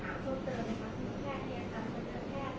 แต่ว่าไม่มีปรากฏว่าถ้าเกิดคนให้ยาที่๓๑